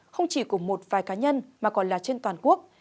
không chỉ của một vài cá nhân mà còn là trên toàn quốc